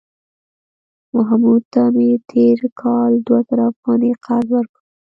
محمود ته مې تېر کال دوه زره افغانۍ قرض ورکړ